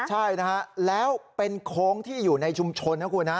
ใช่นะฮะแล้วเป็นโค้งที่อยู่ในชุมชนนะคุณฮะ